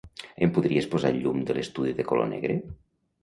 Em podries posar el llum de l'estudi de color negre?